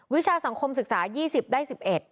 วิชาสังคมศึกษา๒๐ได้๑๑